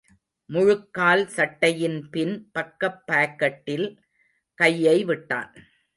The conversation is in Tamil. முழுக்கால் சட்டையின் பின் பக்கப் பாக்கெட்டில் கையை விட்டான்.